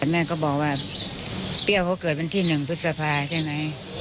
แม่ก็บอกว่าเปรี้ยวเขาเกิดเป็นที่หนึ่งพฤษภาใช่ไหม